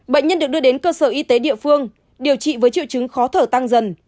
bệnh nhân được đưa đến cơ sở y tế địa phương điều trị với triệu chứng khó thở tăng dần